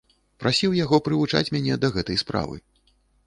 Прасіў яго прывучаць мяне да гэтай справы.